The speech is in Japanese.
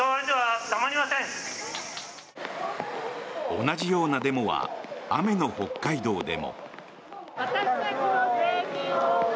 同じようなデモは雨の北海道でも。